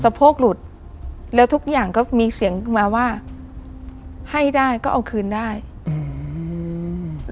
โพกหลุดแล้วทุกอย่างก็มีเสียงขึ้นมาว่าให้ได้ก็เอาคืนได้อืม